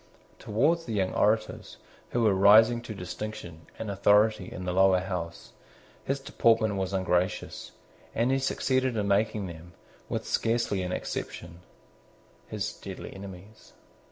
Towards the young orators, who were rising to distinction and authority in the Lower House, his deportment was ungracious: and he succeeded in making them, with scarcely an exception, his deadly enemies.